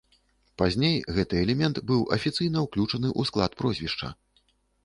Пазней гэты элемент быў афіцыйна ўключаны ў склад прозвішча.